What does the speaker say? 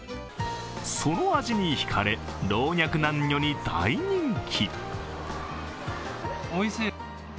その味にひかれ、老若男女に大人気。